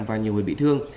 và nhiều người bị thương